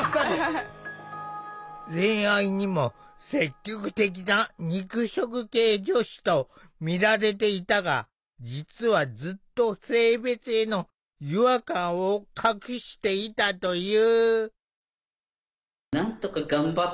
恋愛にも積極的な「肉食系女子」と見られていたが実はずっと性別への違和感を隠していたという。